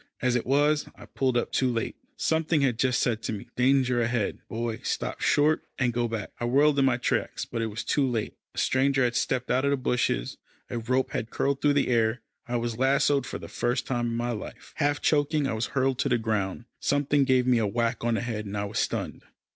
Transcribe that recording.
As it was, I pulled up too late. Something had just said to me, "Danger ahead, Boy: stop short, and go back." I whirled in my tracks, but it was too late. A stranger had stepped out of the bushes, a rope had curled through the air I was lassoed for the first time in my life. Half choking, I was hurled to the ground. Something gave me a whack on the head, and I was stunned.